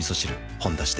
「ほんだし」で